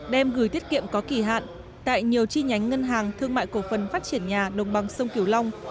đem gửi tiết kiệm có kỷ hạn tại nhiều chi nhánh ngân hàng thương mại cổ phần phát triển nhà đồng bằng sông kiều long